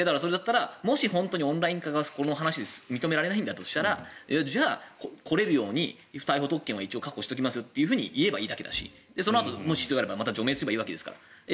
もし本当にオンライン化が認められないんだとしたら来れるように不逮捕特権は一応確保しておきますよと言えばいいわけだしそのあと必要があれば除名すればいいわけですから。